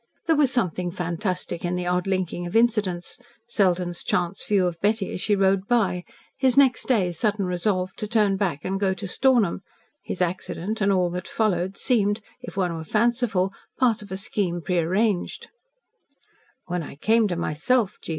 There was something fantastic in the odd linking of incidents Selden's chance view of Betty as she rode by, his next day's sudden resolve to turn back and go to Stornham, his accident, all that followed seemed, if one were fanciful part of a scheme prearranged "When I came to myself," G.